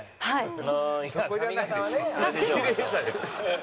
はい。